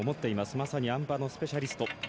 まさにあん馬のスペシャリスト。